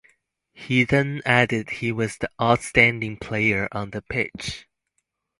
He then added He was the outstanding player on the pitch.